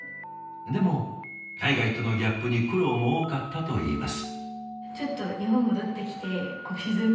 でも海外とのギャップに苦労も多かったといいます。